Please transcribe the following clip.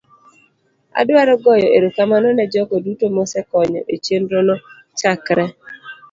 adwaro goyo erokamano ne jogo duto mosekonyo e chenrono chakre